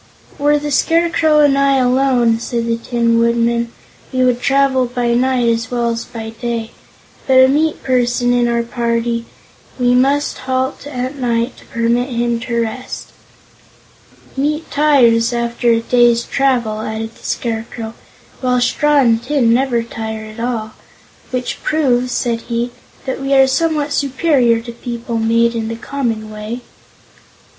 "Were the Scarecrow and I alone," said the Tin Woodman, "we would travel by night as well as by day; but with a meat person in our party, we must halt at night to permit him to rest." "Meat tires, after a day's travel," added the Scarecrow, "while straw and tin never tire at all. Which proves," said he, "that we are somewhat superior to people made in the common way."